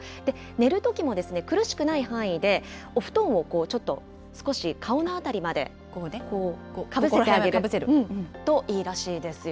寝るときも苦しくない範囲で、お布団をちょっと少し顔の辺りまでかぶせてあげるといいらしいですよ。